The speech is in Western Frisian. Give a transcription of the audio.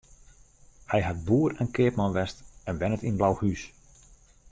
Hy hat boer en keapman west en wennet yn Blauhús.